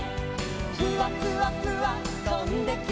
「フワフワフワとんできた」